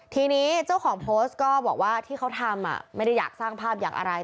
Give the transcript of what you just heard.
ทีนี้เจ้าของโพสต์ก็บอกว่าที่เขาทำไม่ได้อยากสร้างภาพอยากอะไร